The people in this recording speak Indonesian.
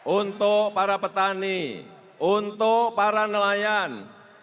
untuk para petani untuk para nelayan